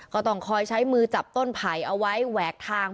ก็ต้องคอยใช้มือจับต้นไผ่เอาไว้แหวกทาง